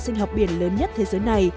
sinh học biển lớn nhất thế giới này